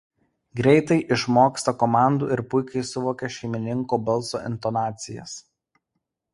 Greitai išmoksta komandų ir puikiai suvokia šeimininko balso intonacijas.